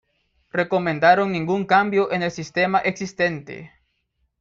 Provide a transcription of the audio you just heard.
Recomendaron ningún cambio en el sistema existente.